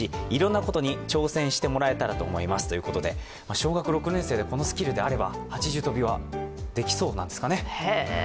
小学６年生でこのスキルであれば、８重跳びはできそうなんですかね。